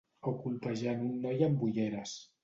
O colpejant un noi amb ulleres.